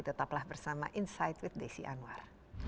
tetaplah bersama insight with desi anwar